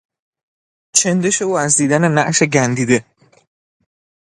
چندش او از دیدن نعش گندیده